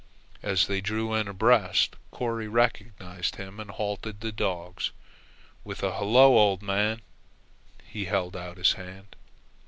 As they drew in abreast, Corry recognized him and halted the dogs. With a "Hello, old man," he held out his hand.